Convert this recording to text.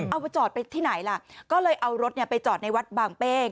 เอาไปจอดไปที่ไหนล่ะก็เลยเอารถไปจอดในวัดบางเป้ง